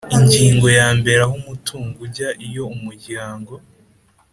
Ingingo yambere Aho umutungo ujya iyo umuryango